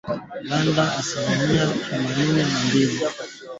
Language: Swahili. ikifuatiwa na Uganda asilimia themanini na mbili